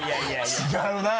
違うなぁ。